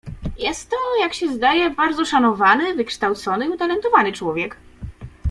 "Jest to, jak się zdaje, bardzo szanowany, wykształcony i utalentowany człowiek."